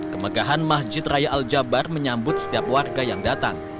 kemegahan masjid raya al jabar menyambut setiap warga yang datang